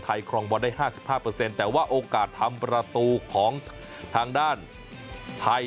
ไทยครองบอลได้ห้าสิบห้าเปอร์เซ็นต์แต่ว่าโอกาสทำประตูของทางด้านไทย